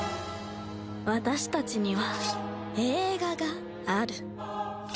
私たちには映画がある。